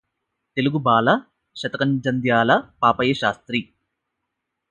తెలుగుబాల! శతకంజంధ్యాల పాపయ్య శాస్త్రి